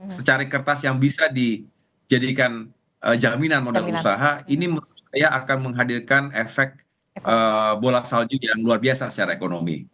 secari kertas yang bisa dijadikan jaminan modal usaha ini menurut saya akan menghadirkan efek bola salju yang luar biasa secara ekonomi